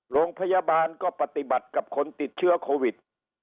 โรงพยาบาลก็ปฏิบัติกับคนติดเชื้อโควิด